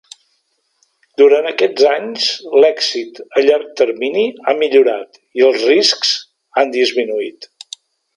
Durant aquests anys, l'èxit a llarg termini ha millorat i els riscs han disminuït.